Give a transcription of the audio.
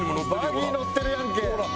バギー乗ってるやんけ！